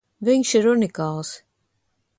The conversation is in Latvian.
Viņš ir unikāls!